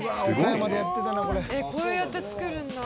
えっこうやって作るんだ。